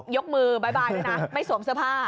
ยกมือบ๊ายด้วยนะไม่สวมเสื้อผ้า